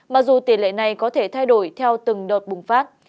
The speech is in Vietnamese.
mặc dù tỷ lệ này có thể thay đổi theo từng đợt bùng phát